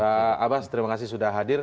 pak abbas terima kasih sudah hadir